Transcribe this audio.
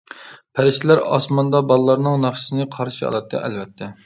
پەرىشتىلەر ئاسماندا بالىلارنىڭ ناخشىسىنى قارشى ئالاتتى، ئەلۋەتتە.